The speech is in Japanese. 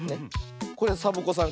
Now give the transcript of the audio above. これサボ子さん